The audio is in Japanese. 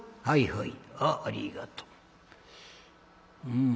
あっありがとう。